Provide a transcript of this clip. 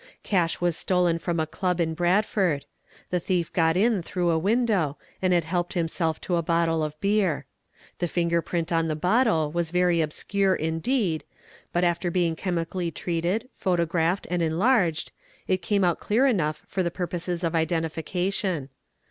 Cash was stolen from a club in Bradford. The thief got in through a Wl wine dow, and had helped himself to a bottle of beer. The finger print on ¢ bottle was very obscure indeed, but after being chemically treated, p notographed, and enlarged, it came out clear enough for the purposes of identification.